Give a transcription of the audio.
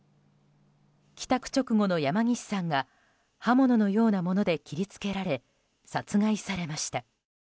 帰宅直後の山岸さんが刃物のようなもので切り付けられ殺害されました。